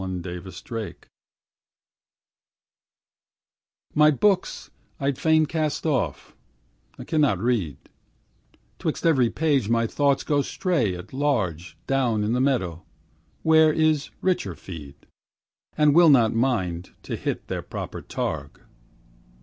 The Summer Rain My books I'd fain cast off, I cannot read, 'Twixt every page my thoughts go stray at large Down in the meadow, where is richer feed, And will not mind to hit their proper targe.